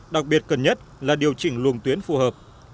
đặc biệt cần nhất là điều chỉnh luồng tuyến phù hợp